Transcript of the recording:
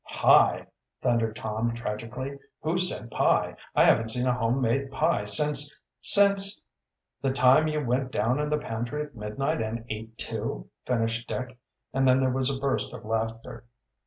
"Pie!" thundered Tom tragically. "Who said pie? I haven't seen a home made pie since since " "The time you went down in the pantry at midnight and ate two," finished Dick, and then there was a burst of laughter.